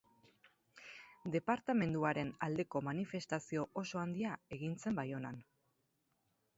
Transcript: Departamenduaren aldeko manifestazio oso handia egin zen Baionan.